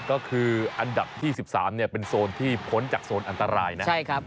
ก็คืออันดับที่๑๓เนี่ยเป็นโซนที่พ้นจากโซนอันตรายนะใช่ครับ